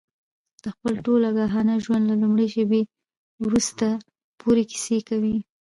د خپل ټول آګاهانه ژوند له لومړۍ شېبې تر وروستۍ پورې کیسې کوي.